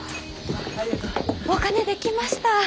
お金できました！